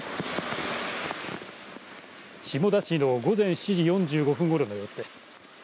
下田市の午前７時４５分ごろの様子です。